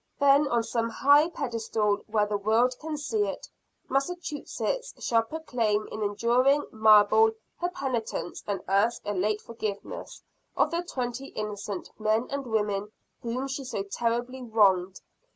Then, on some high pedestal, where the world can see it, Massachusetts shall proclaim in enduring marble her penitence and ask a late forgiveness of the twenty innocent men and women whom she so terribly wronged.